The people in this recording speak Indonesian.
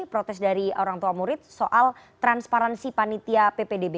protes dari orang tua murid soal transparansi panitia ppdb